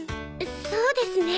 そうですね。